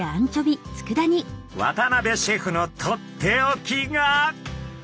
渡邊シェフのとっておきが。